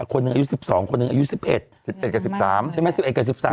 คนหนึ่งอายุสิบสองคนหนึ่งอายุสิบเอ็ดสิบเอ็ดกับสิบสามใช่ไหมสิบเอ็ดกับสิบสาม